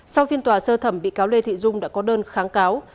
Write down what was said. sau phiên tòa sơ thẩm bị cáo lê thị dung đã có đơn kháng cáo